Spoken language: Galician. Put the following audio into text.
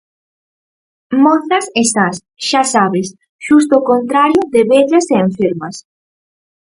Mozas e sas, xa sabes, xusto o contrario de vellas e enfermas.